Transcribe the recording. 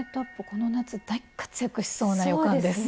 この夏大活躍しそうな予感です。